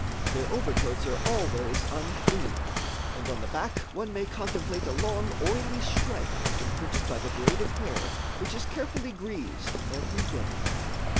Their overcoats are always unclean, and, on the back, one may contemplate a long oily stripe imprinted by the braid of hair, which is carefully greased every day.